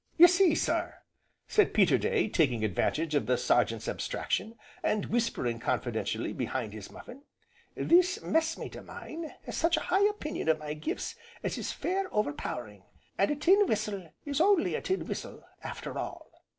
Ye see, sir," said Peterday, taking advantage of the Sergeant's abstraction, and whispering confidentially behind his muffin, "that messmate o' mine has such a high opinion o' my gifts as is fair over powering, and a tin whistle is only a tin whistle, after all."